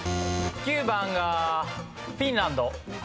９番がフィンランド。